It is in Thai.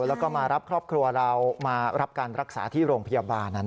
แล้วก็มารับครอบครัวเรามารับการรักษาที่โรงพยาบาล